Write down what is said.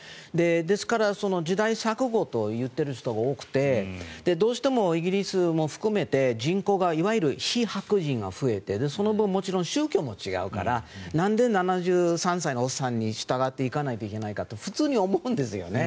ですから時代錯誤と言っている人が多くてどうしてもイギリスも含めて人口がいわゆる非白人が増えてその分もちろん宗教も違うからなんで７３歳のおっさんに従っていかないといけないかって普通に思うんですよね。